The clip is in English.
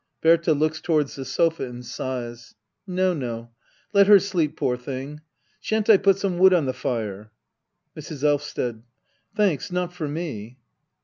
Berta. [Looks towards the sofa and sighs,] No^ no— let her sleep^ poor thing. Shan't I put some wood on the &re ? Mrs. Elvsted. Thanks, not for me.